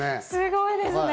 すごいですね。